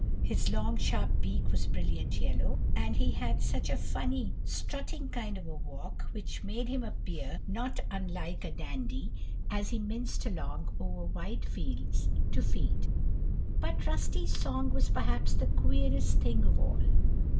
His long, sharp beak was brilliant yellow, and he had such a funny, strutting kind of a walk which made him appear not unlike a dandy as he minced along over wide fields to feed. But Rusty's song was perhaps the queerest thing of all.